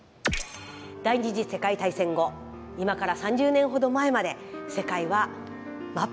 第２次世界大戦後今から３０年ほど前まで世界は真っ二つに分かれていました。